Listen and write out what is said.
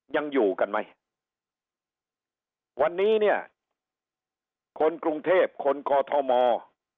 ยังอยู่กันไหมวันนี้เนี่ยคนกรุงเทพคนกอทม